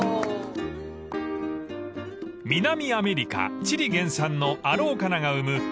［南アメリカチリ原産のアローカナが産む